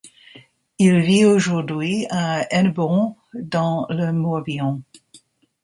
Il vit aujourd’hui à Hennebont dans le Morbihan.